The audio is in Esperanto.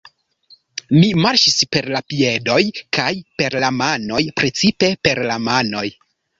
Mi marŝis per la piedoj kaj per la manoj, precipe per la manoj.